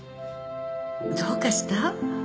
どうかした？